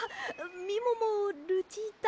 みももルチータ。